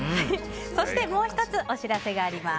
そして、もう１つお知らせがあります。